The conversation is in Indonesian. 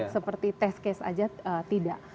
seperti test case saja tidak